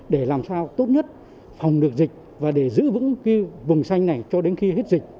để làm sao tốt nhất phòng được dịch và để giữ vững cái vùng xanh này cho đến khi hết dịch